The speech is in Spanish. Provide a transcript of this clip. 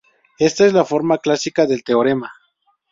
Esta es la forma clásica del teorema.